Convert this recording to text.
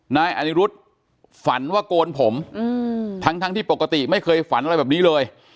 นายอนิรุธฝันว่าโกนผมทั้งที่ปกติไม่เคยฝันอะไรแบบนี้เลย